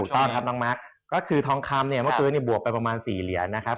ต้องครับน้องมาร์คก็คือทองคำเนี่ยเมื่อคืนเนี่ยบวกไปประมาณ๔เหรียญนะครับ